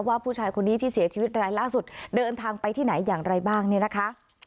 ว่าผู้ชายคนนี้ที่เสียชีวิตรายล่าสุดเดินทางไปที่ไหนอย่างไรบ้างเนี่ยนะคะ